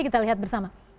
kita lihat bersama